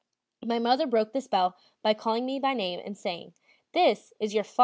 My mother broke the spell by calling me by name and saying: "This is your father."